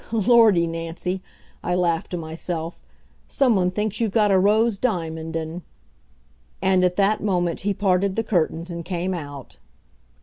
"Lordy, Nancy," I laughed to myself, "some one thinks you've got a rose diamond and " And at that moment he parted the curtains and came out.